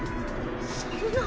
そんな。